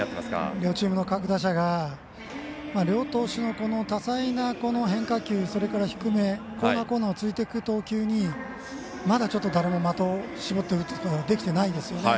両チームの各打者が両投手の多彩な変化球それから低めコーナー、コーナーを突いていく投球にまだ誰も的を絞って打つことができてないですよね。